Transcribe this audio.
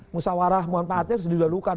musawarah manfaatnya harus dilalukan